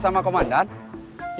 kamu semua di nowa